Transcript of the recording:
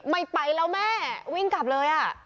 ไม่ไปแล้วแม่วิ่งกลับเลย